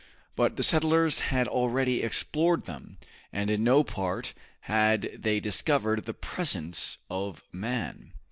But the settlers had already explored them, and in no part had they discovered the presence of man.